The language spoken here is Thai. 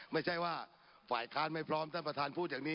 ไม่ใช่ว่าฝ่ายค้านไม่พร้อมท่านประธานพูดอย่างนี้